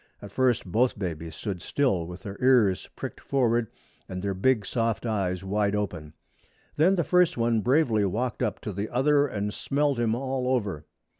At first both babies stood still, with their ears pricked forward and their big soft eyes wide open. Then the first one bravely walked up to the other and smelled him all over.